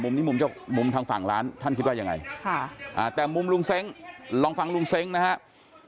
มุมทางฝั่งร้านท่านคิดว่ายังไงแต่มุมลุงเซ้งลองฟังลุงเซ้งนะครับ